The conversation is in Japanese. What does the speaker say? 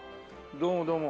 どうもどうも。